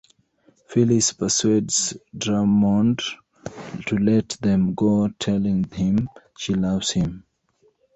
Phyllis persuades Drummond to let them go, telling him she loves him.